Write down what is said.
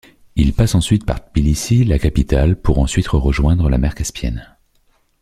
Il passe ensuite par Tbilissi, la capitale, pour ensuite rejoindre la mer Caspienne.